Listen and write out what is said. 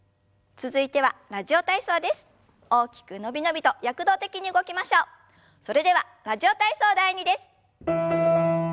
それでは「ラジオ体操第２」です。